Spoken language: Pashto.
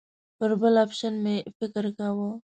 پر بل اپشن مې فکر کاوه.